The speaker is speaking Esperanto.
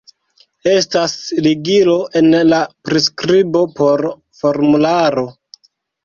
Estas ligilo en la priskribo por formularo